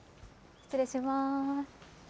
失礼します。